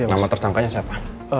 yud nama tersangkanya siapa